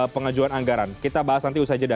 pengajuan anggaran kita bahas nanti usai jeda